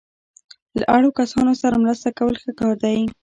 له اړو کسانو سره مرسته کول ښه کار دی.